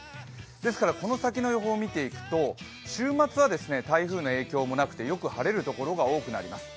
ですから、この先の予報を見ていくと、週末は台風の影響もなくてよく晴れる所が多くなります。